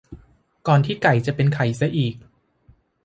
ก่อนที่ไก่จะเป็นไข่ซะอีก